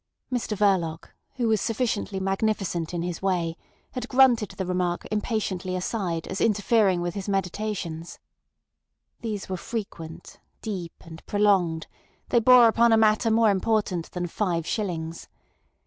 Mr Verloc, who was sufficiently magnificent in his way, had grunted the remark impatiently aside as interfering with his meditations. These were frequent, deep, and prolonged; they bore upon a matter more important than five shillings.